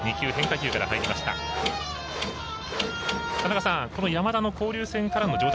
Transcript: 田中さん、この山田の交流戦からの状態